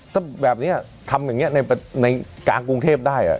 ถ้าแบบนี้ทำอย่างนี้ในกลางกรุงเทพได้